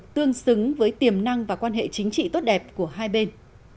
tương xứng với tiềm năng và quan hệ chính trị tốt đẹp của hai bên